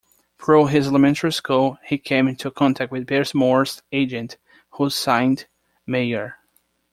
Through his elementary school, he came into contact with Barrymore's agent, who signed Meyer.